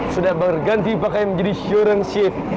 sudah berganti pakaian jadi syurang shape